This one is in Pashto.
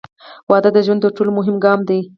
• واده د ژوند تر ټولو مهم ګام دی.